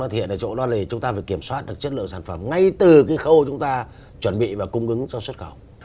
thì hiện ở chỗ đó là chúng ta phải kiểm soát được chất lượng sản phẩm ngay từ cái khâu chúng ta chuẩn bị và cung ứng cho xuất khẩu